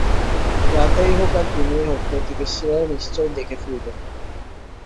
রাতেই হোক আর দিনেই হোক, প্রতিবেশীরা নিশ্চয়ই দেখে ফেলবে।